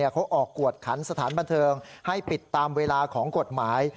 เขาออกกวดขันสถานบันเทิงให้ปิดตามเวลาของกฎหมาย